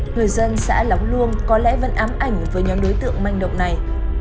người dân xã lóng luông có lẽ vẫn ám ảnh với nhóm đối tượng manh động này